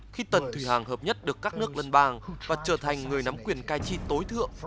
khi tần thủy hàng hợp nhất được các nước lân bàng và trở thành người nắm quyền cai trị tối thượng